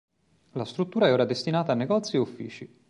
La struttura è ora destinata a negozi e uffici.